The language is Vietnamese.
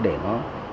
để nó hợp lý